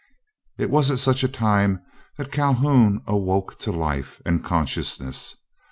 It was at such a time that Calhoun awoke to life and consciousness.